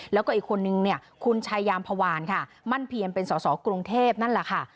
แล้วก็อีกคนนึงเนี่ยคุณชายามพวานค่ะมั่นเพียรเป็นสอสอกรุงเทพนั่นแหละค่ะ